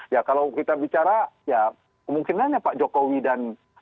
ya kalau kita bicara ya kemungkinannya pak jokowi ya kalau misalnya pak budi sendiri